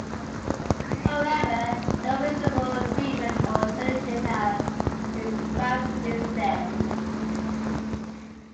However, no reasonable agreement or solution has been found to this day.